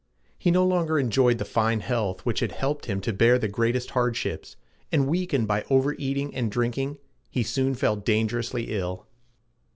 He no longer enjoyed the fine health which had helped him to bear the greatest hardships, and, weakened by over eating and drinking, he soon fell dangerously ill.